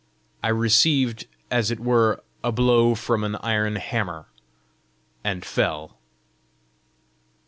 I received as it were a blow from an iron hammer, and fell.